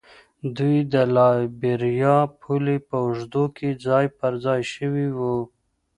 دوی د لایبیریا پولې په اوږدو کې ځای پر ځای شوي وو.